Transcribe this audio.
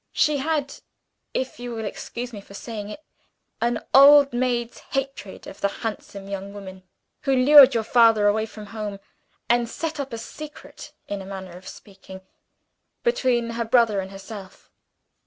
She had (if you will excuse me for saying it) an old maid's hatred of the handsome young woman, who lured your father away from home, and set up a secret (in a manner of speaking) between her brother and herself.